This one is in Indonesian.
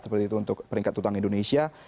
seperti itu untuk peringkat utang indonesia